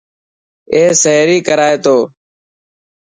اي سهري ڪرائي تو.